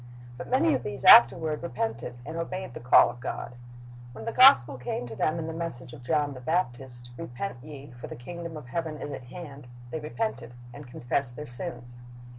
But many of these afterward repented, and obeyed the call of God. When the gospel came to them in the message of John the Baptist, "Repent ye; for the kingdom of heaven is at hand,"' they repented, and confessed their sins.